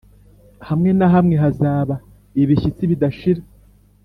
hamwe na hamwe hazaba ibishyitsi bidashira